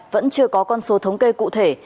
vẫn chưa có con số thống kê cụ thể